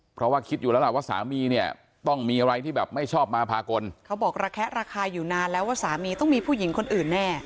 เพราะว่าคิดอยู่แล้วล่ะว่าสามีเนี่ยต้องมีอะไรที่แบบไม่ชอบมาพากลเขาบอกระแคะระคายอยู่นานแล้วว่าสามีต้องมีผู้หญิงคนอื่นแน่